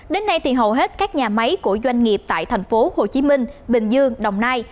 đến nay thì hầu hết các nhà máy của doanh nghiệp tại thành phố hồ chí minh bình dương đồng nai